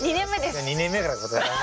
じゃあ２年目から答えなさい。